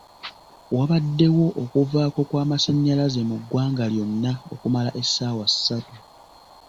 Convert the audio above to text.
Wabaddewo okuvaako kw'amasannyalaze mu ggwanga lyonna okumala essaawa ssatu.